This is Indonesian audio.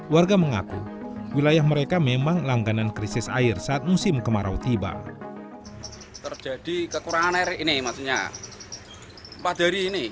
warga mengaku wilayah mereka memang langganan krisis air saat musim kemarau tiba